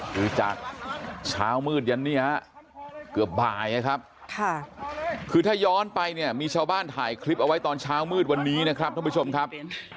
คือจากเช้ามืดยันนี่ฮะเกือบบ่ายนะครับคือถ้าย้อนไปเนี่ยมีชาวบ้านถ่ายคลิปเอาไว้ตอนเช้ามืดวันนี้นะครับท่านผู้ชมครับ